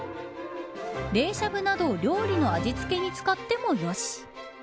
冷しゃぶなど料理の味付けに使ってもよし。